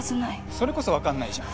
それこそわかんないじゃん。